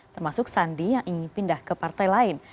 termasuk sandi yang ingin pindah ke partai lain